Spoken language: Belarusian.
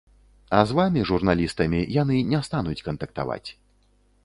А з вамі, журналістамі, яны не стануць кантактаваць.